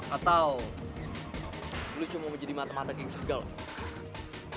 atau lu cuma mau jadi mata mata geng serigala